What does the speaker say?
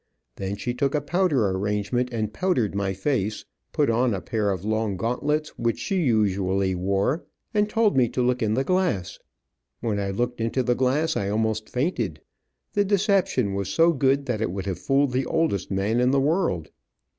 Then she took a powder arrangement and powdered my face, put on a pair of long gauntlets which she usually wore, and told me to look in the glass. When I looked into the glass I almost fainted. The deception was so good that it would have fooled the oldest man in the world.